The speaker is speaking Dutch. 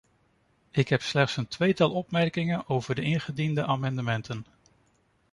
Ik heb slechts een tweetal opmerkingen over de ingediende amendementen.